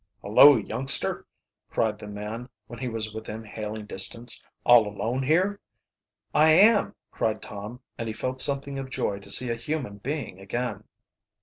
"Hullo, youngster!" cried the man, when he was within hailing distance. "All alone here?" "I am!" cried Tom, and he felt something of joy to see a human being again.